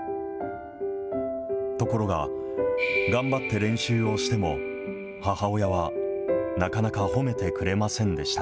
ところが、頑張って練習をしても、母親はなかなか褒めてくれませんでした。